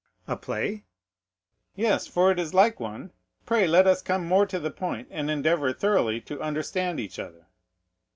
"A play?" "Yes, for it is like one; pray let us come more to the point, and endeavor thoroughly to understand each other."